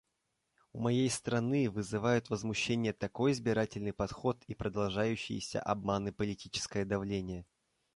У моей страны вызывают возмущение такой избирательный подход и продолжающиеся обман и политическое давление.